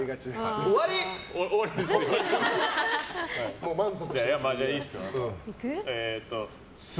終わりです。